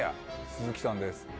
「鈴木さんです」